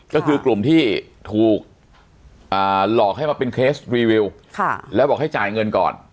ก็คือกลุ่มที่ถูกหลอกให้มาเป็นเคสรีวิวแล้วบอกให้จ่ายเงินก่อน